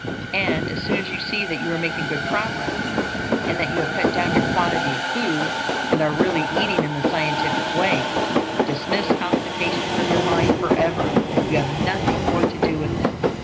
And as soon as you see that you are making good progress, and that you have cut down your quantity of food, and are really eating in the Scientific Way, dismiss constipation from your mind forever; you have nothing more to do with it.